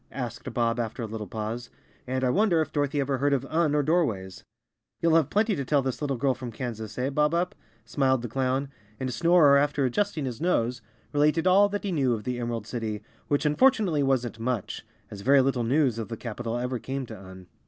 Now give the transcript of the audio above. asked Bob, after a little pause. "And I wonder if Dorothy ever heard of Un or Doorways?" "You'll have plenty to tell this little girl from Kan¬ sas, eh, Bob Up?" smiled the clown, and Snorer, after adjusting his nose, related all that he knew of the Em¬ erald City, which unfortunately wasn't much, as very little news of the capital ever came to Un.